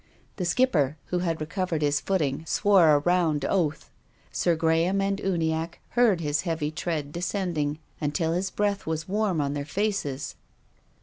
The Skipper, who had re covered his footing, swore a round oath. Sir Gra ham and Uniacke heard his heavy tread descend ing until his breath was warm on their faces.